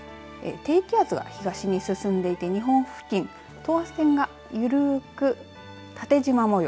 低気圧が東に進んでいて日本付近、等圧線が緩く縦じま模様